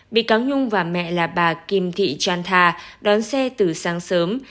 bị cáo nhung và mẹ là bà kim thị trang tha đón xe từ sáng sớm